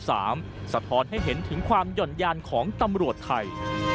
สะท้อนให้เห็นถึงความหย่อนยานของตำรวจไทย